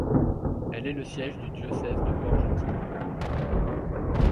Elle est le siège du diocèse de Port-Gentil.